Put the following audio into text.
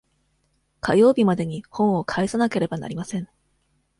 火曜日までに本を返さなければなりません。